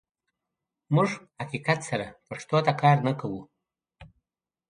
موږ په حقیقت سره پښتو ته کار نه کوو.